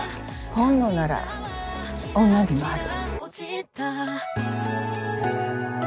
本能なら女にもある。